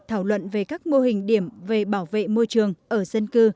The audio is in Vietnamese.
thảo luận về các mô hình điểm về bảo vệ môi trường ở dân cư